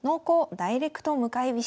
ダイレクト向かい飛車」。